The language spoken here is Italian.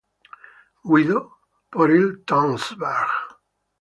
Guidò poi il Tønsberg.